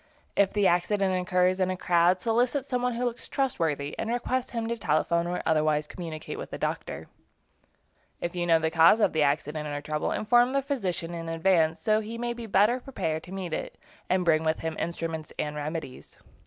If the accident occurs in a crowd, solicit some one who looks trustworthy, and request him to telephone or otherwise communicate with a doctor. If you know the cause of the accident or trouble inform the physician in advance, so that he may be better prepared to meet it and bring with him instruments and remedies.